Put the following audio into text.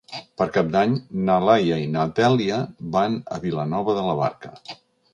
Per Cap d'Any na Laia i na Dèlia van a Vilanova de la Barca.